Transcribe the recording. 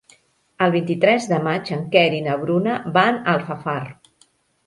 El vint-i-tres de maig en Quer i na Bruna van a Alfafar.